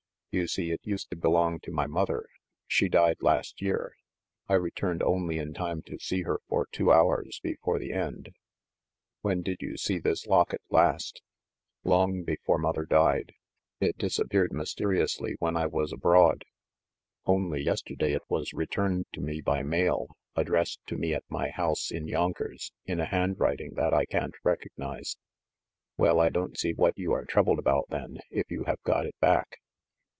You see, it used to belong to my mother. She died last year. I returned only in time to see her for two hours before the end." "When did you see this locket last?" "Long before mother died. It disappeared myste 150 THE MASTER OF MYSTERIES riously when I was abroad. Only yesterday it was re turned to me by mail, addressed to me at my house in Yonkers, in a handwriting that I can't recognize." "Well, I don't see what you are troubled about, then, if you have got it back."